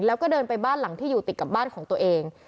แล้วก็เดินไปบ้านหลังที่อยู่ติดกับบ้านของตัวเอง